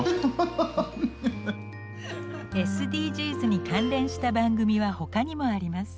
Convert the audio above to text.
ＳＤＧｓに関連した番組は他にもあります。